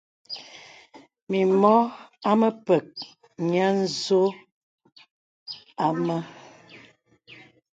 Mì mɔ amə̀ pək nyə̄ ǹzō a mə̀.